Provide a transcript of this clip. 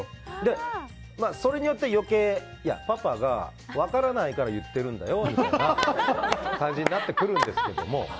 それによっては余計パパが分からないから言っているんだよみたいな感じになってくるんですけども。